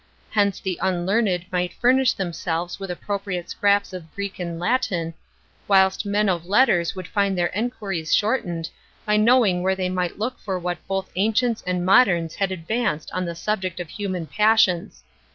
Hence the unlearned might furnish themselves with appropriate scraps of Greek and Latin, whilst men of letters would find their enquiries shortened, by knowing where they might look for what both ancients and moderns had advanced on the subject of human passions.